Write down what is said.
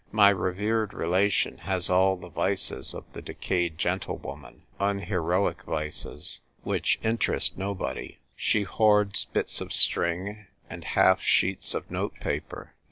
M3' revered relation has all the vices of the decayed gentlewoman : unheroic vices, which interest nobody. She hoards bits of string, and half sheets of note paper.